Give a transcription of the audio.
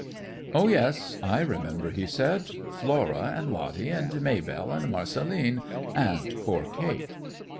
"'Oh yes, I remember,' he said, 'Flora and Lottie and Maybelle and Marcelline, and poor Kate.'